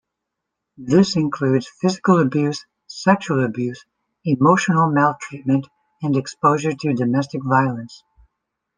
This includes physical abuse, sexual abuse, emotional maltreatment, and exposure to domestic violence.